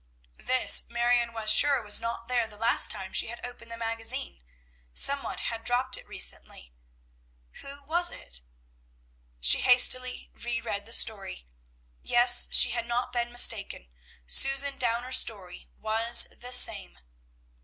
This Marion was sure was not there the last time she had opened the magazine; some one had dropped it recently. Who was it? She hastily re read the story. Yes, she had not been mistaken, Susan Downer's story was the same!